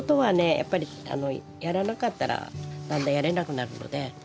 やっぱりやらなかったらだんだんやれなくなるので。